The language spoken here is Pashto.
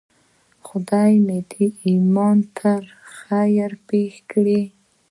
خدای دې مې ایمان ته خیر پېښ کړي.